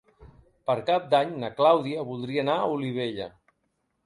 Per Cap d'Any na Clàudia voldria anar a Olivella.